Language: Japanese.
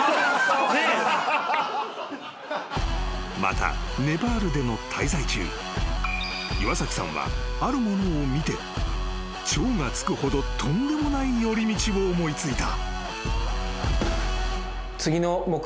［またネパールでの滞在中岩崎さんはあるものを見て超がつくほどとんでもない寄り道を思い付いた］